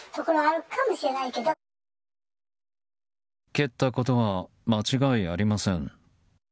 蹴ったことは間違いありません。